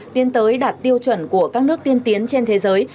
tiêu chuẩn của các nước tiên tiến trên thế giới